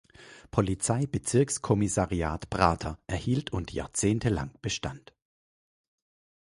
Polizei-Bezirks-Kommissariat Prater" erhielt und jahrzehntelang bestand.